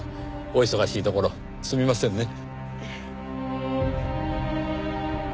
お忙しいところすみませんね。